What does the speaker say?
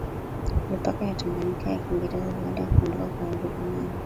mipaka ya Tanganyika ya Kiingereza baada ya kuondoka kwa Wajerumani